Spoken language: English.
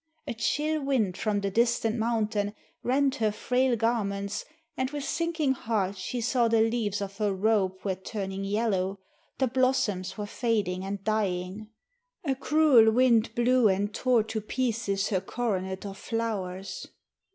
A chill wind from the distant mountain rent her frail garments and with sinking heart she saw the leaves of her robe were turning yellow, the blossoms were fading and dying. A cruel wind blew and tore to pieces her coronet of flowers.